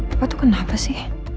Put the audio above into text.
apa tuh kenapa sih